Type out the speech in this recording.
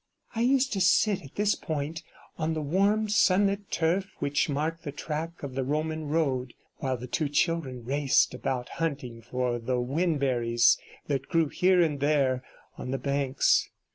I used to sit at this point on the warm sunlit turf which marked the track of the Roman Road, while the two children raced about hunting for the whinberries that grew here and there on the banks.